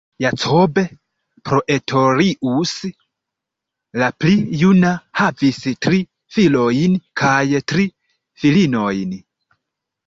Jacob Praetorius la pli juna havis tri filojn kaj tri filinojn.